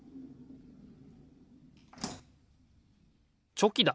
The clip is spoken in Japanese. チョキだ。